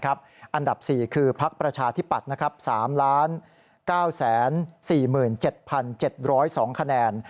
อันดับ๔คือพักประชาธิปัตย์๓๙๔๗๗๐๒คะแนน